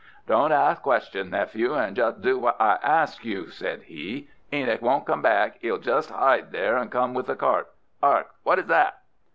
"Don't ask questions, nephew, and just do what I ask you," said he. "Enoch won't come back. 'e'll just bide there and come with the cart. 'Ark, what is that?"